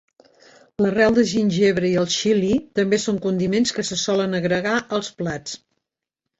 L'arrel de gingebre i el xili també són condiments que se solen agregar als plats.